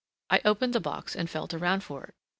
I opened the box and felt around for it.